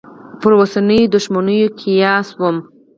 پر اوسنیو دوښمنیو یې قیاسوم.